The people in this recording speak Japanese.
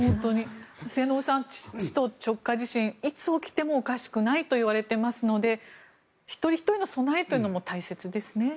末延さん、首都直下地震いつ起きてもおかしくないといわれていますので一人ひとりの備えというのも大切ですね。